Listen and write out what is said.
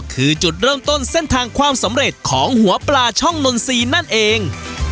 คือจุดเริ่มต้นเส้นทางความสำเร็จของหัวปลาช่องนนทรีย์นั่นเอง